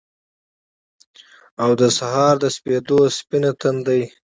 او دسهار دسپیدو ، سپین تندی